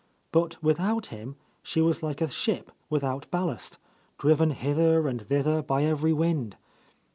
But with out him, she was like a ship without ballast, driven hither and thither by every wind.